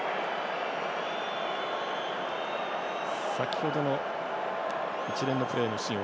先ほどの一連のプレーのシーン。